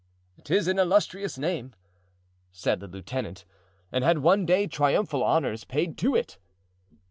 "'Tis an illustrious name," said the lieutenant, "and had one day triumphal honors paid to it."